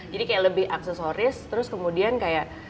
jadi kayak lebih aksesoris terus kemudian kayak